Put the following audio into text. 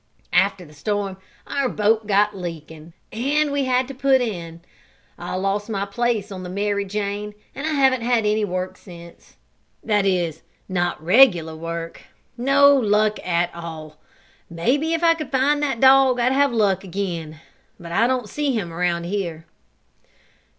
After the storm our boat got leaking, and we had to put in. I lost my place on the Mary Jane and I haven't had any work since that is not regular work. No luck at all. Maybe if I could find that dog I'd have luck again. But I don't see him around here."